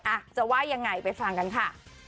อ่ะจะว่ายังไงไปฟังกันค่ะ